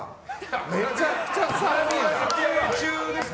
めちゃくちゃ寒いな。